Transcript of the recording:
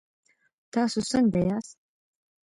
تاسو څنګ ياست؟